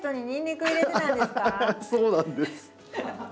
そうなんです。